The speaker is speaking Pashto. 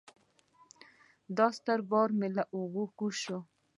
دا ستر بار مې له اوږو کوز شو.